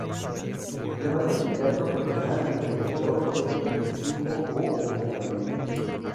Además de militar profesional, se interesó por el espiritismo o el naturismo.